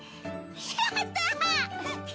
やった！